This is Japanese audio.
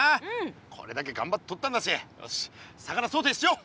これだけがんばってとったんだしよし魚ソテーしよう！